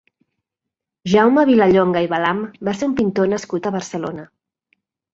Jaume Vilallonga i Balam va ser un pintor nascut a Barcelona.